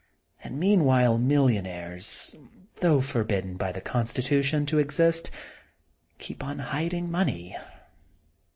And meanwhile million aires, though forbidden by the constitution to exist, keep on hiding money.